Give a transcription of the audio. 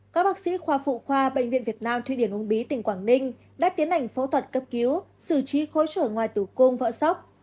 các bác sĩ khoa phụ khoa bệnh viện việt nam thuy điển uông bí tỉnh quảng ninh đã tiến hành phẫu thuật cấp cứu xử trí khối trở ngoài tử cung vỡ sốc